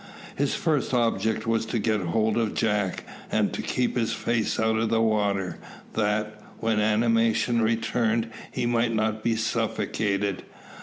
His first object was to get hold of Jack, and to keep his face out of the water, that, when animation returned, he might not be suffocated.